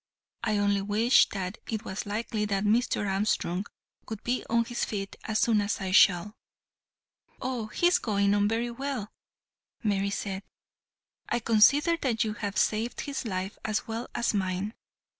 I only wish that it was likely that Mr. Armstrong would be on his feet as soon as I shall." "Oh, he is going on very well," Mary said. "I consider that you have saved his life as well as mine.